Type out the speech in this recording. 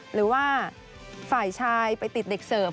หรือว่าฝ่ายชายไปติดเด็กเสิร์ฟ